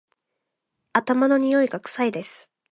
頭のにおいが臭いです